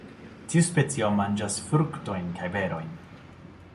Tiu specio manĝas fruktojn kaj berojn.